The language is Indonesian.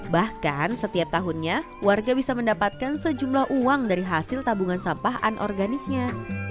bahkan setiap tahunnya warga bisa mendapatkan sejumlah uang dari hasil tabungan sampah anorganiknya